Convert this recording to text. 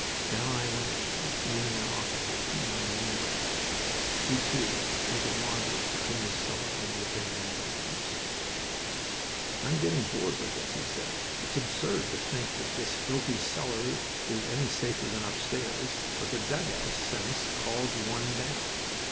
Down I went again, meeting an officer whom I knew well. He, too, was a wanderer between the cellar and the abandoned bedrooms. "I am getting bored with this," he said. "It's absurd to think that this filthy cellar is any safer than upstairs. But the dugout sense calls one down.